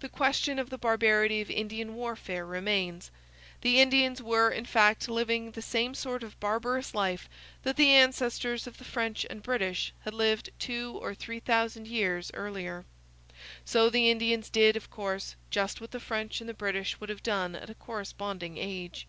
The question of the barbarity of Indian warfare remains. The Indians were in fact living the same sort of barbarous life that the ancestors of the French and British had lived two or three thousand years earlier. So the Indians did, of course, just what the French and the British would have done at a corresponding age.